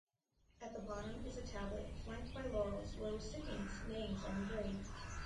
At the bottom is a tablet flanked by laurels where recipients' names are engraved.